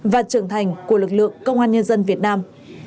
và trưởng thành của lực lượng công an nhân dân việt nam